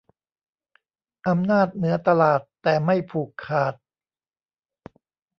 อำนาจเหนือตลาดแต่ไม่ผูกขาด